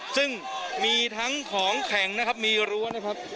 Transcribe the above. ซึ่งมีทั้งของแข็งนะครับมีรั้วนะครับ